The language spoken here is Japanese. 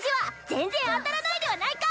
全然当たらないではないか！